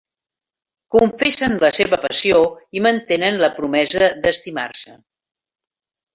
Confessen la seva passió i mantenen la promesa d'estimar-se.